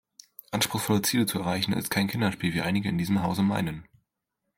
Anspruchsvolle Ziele zu erreichen, ist kein Kinderspiel, wie einige in diesem Hause meinen.